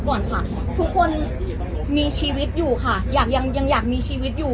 ก่อนค่ะทุกคนมีชีวิตอยู่ค่ะอยากยังยังอยากมีชีวิตอยู่